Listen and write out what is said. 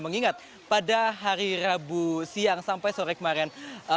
mengingat pada hari rabu siang sampai sore kemarin